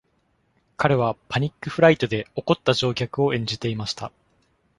彼は「パニック・フライト」で怒った乗客を演じていました。